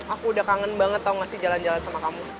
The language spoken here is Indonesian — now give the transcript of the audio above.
aku udah kangen banget tau ngasih jalan jalan sama kamu